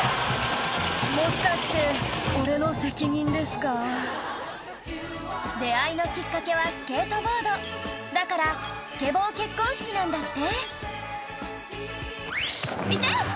「もしかして俺の責任ですか？」出会いのきっかけはスケートボードだからスケボー結婚式なんだって「痛っ！」